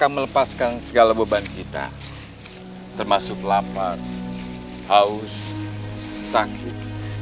ambillah obat tersebut